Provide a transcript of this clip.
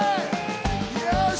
よし！